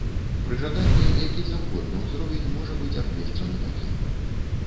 Пры жаданні які заўгодна ўзровень можа быць абвешчаны такім.